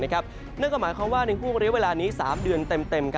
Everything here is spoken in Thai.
นั่นก็หมายความว่าในห่วงเรียกเวลานี้๓เดือนเต็ม